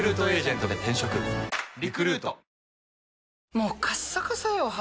もうカッサカサよ肌。